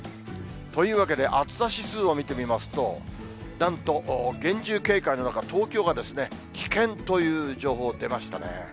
というわけで、暑さ指数を見てみますと、なんと厳重警戒の中、東京が危険という情報出ましたね。